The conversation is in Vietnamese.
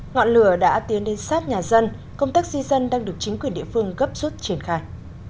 ngọn lửa đã tiến đến sát nhà dân công tác di dân đang được chính quyền địa phương gấp rút triển khai